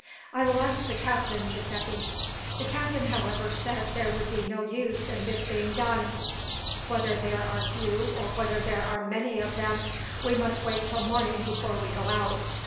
"I will ask the captain, Giuseppi." The captain, however, said that there would be no use in this being done. "Whether there are few or whether there are many of them, we must wait till morning before we go out.